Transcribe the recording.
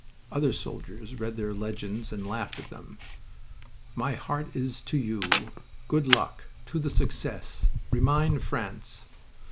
Other soldiers read their legends and laughed at them: "My heart is to you." "Good luck." "To the success!" "Remind France."